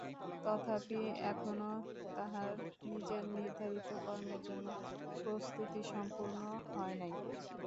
তথাপি এখনও তাঁহার নিজের নির্ধারিত কর্মের জন্য প্রস্তুতি সম্পূর্ণ হয় নাই।